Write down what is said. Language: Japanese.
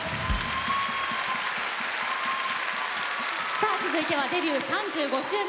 さあ続いてはデビュー３５周年